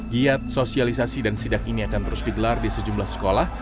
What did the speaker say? giat sosialisasi dan sidak ini akan terus digelar di sejumlah sekolah